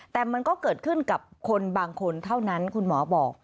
แต่มันก็เกิดขึ้นกับคนบางคนเท่านั้นคุณหมอบอก